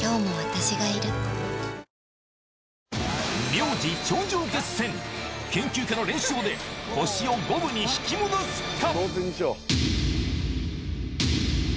名字頂上決戦研究家の連勝で星を五分に引き戻すか？